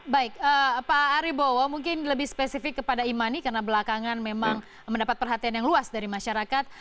baik pak aribowo mungkin lebih spesifik kepada e money karena belakangan memang mendapat perhatian yang luas dari masyarakat